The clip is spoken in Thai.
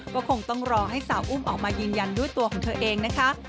ก็คงต้องรอให้สาวอุ้มออกมายืนยันด้วยตัวของเธอเองนะคะ